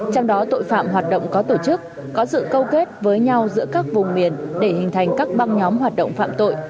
trong đó tội phạm hoạt động có tổ chức có sự câu kết với nhau giữa các vùng miền để hình thành các băng nhóm hoạt động phạm tội